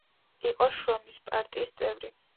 იყო შრომის პარტიის წევრი.